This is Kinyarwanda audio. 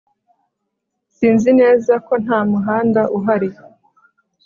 sinzi neza ko nta muhanda uhari